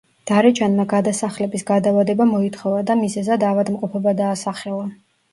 დარეჯანმა გადასახლების გადავადება მოითხოვა და მიზეზად ავადმყოფობა დაასახელა.